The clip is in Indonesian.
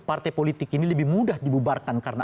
partai politik ini lebih mudah dibubarkan karena